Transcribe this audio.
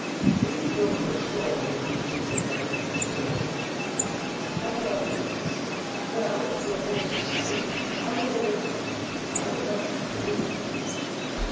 "May we go for a stroll on the beach before breakfast is served?" "By all means. Well, your horse is still saddled. I will order mine—I will come back for you."